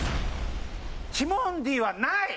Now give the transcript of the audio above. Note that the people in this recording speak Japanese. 「ティモンディ」はない。